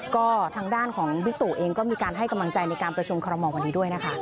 ก็ทางด้านของบิ๊กตู่เองก็มีการให้กำลังใจในการประชุมคอรมอลวันนี้ด้วยนะคะ